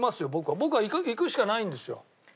僕はいくしかないんですよ。